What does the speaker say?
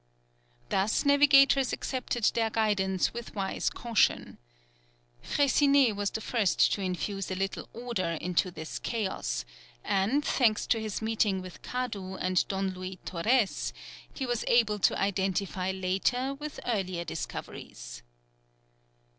Thus navigators accepted their guidance with wise caution. Freycinet was the first to infuse a little order into this chaos, and, thanks to his meeting with Kadu and Don Louis Torrès, he was able to identify later with earlier discoveries.